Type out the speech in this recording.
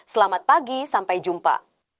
selamat pagi sampai jumpa